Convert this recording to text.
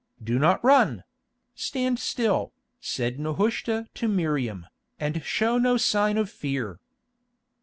"Do not run—stand still," said Nehushta to Miriam, "and show no sign of fear."